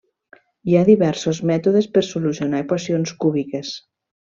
Hi ha diversos mètodes per solucionar equacions cúbiques.